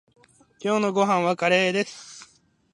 今日のご飯はカレーです。